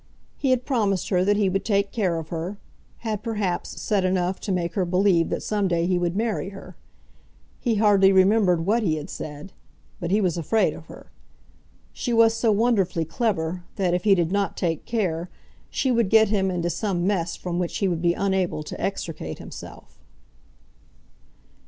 He had promised her that he would take care of her, had, perhaps, said enough to make her believe that some day he would marry her. He hardly remembered what he had said; but he was afraid of her. She was so wonderfully clever that, if he did not take care, she would get him into some mess from which he would be unable to extricate himself.